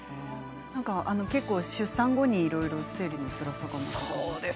結構出産後にいろいろと生理のつらさとかが。